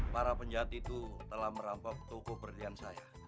para penjahat itu telah merampok toko berdirian saya